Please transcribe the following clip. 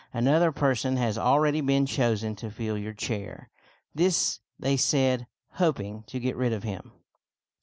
Another person has already been chosen to fill your chair." This they said, hoping to get rid of him.